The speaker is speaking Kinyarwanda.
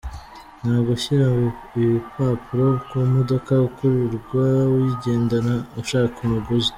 Nta gushyira ibipapuro ku modoka ukirirwa uyigendana ushaka umuguzi.